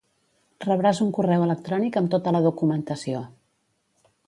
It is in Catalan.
Rebràs un correu electrònic amb tota la documentació.